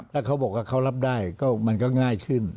ถ้าเขาบอกว่าเขารับได้ก็มันก็ง่ายขึ้น